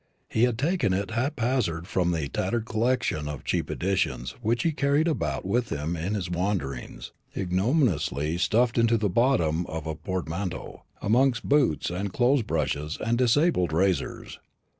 He had taken it haphazard from the tattered collection of cheap editions which he carried about with him in his wanderings, ignominiously stuffed into the bottom of a portmanteau, amongst boots and clothes brushes and disabled razors.